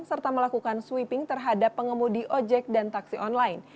serta melakukan sweeping terhadap pengemudi ojek dan taksi online